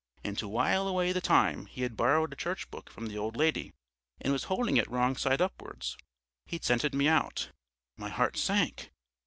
And to while away the time he had borrowed a church book from the old lady, and was holding it wrong side upwards. He'd scented me out! My heart sank.